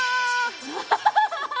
アハハハハ！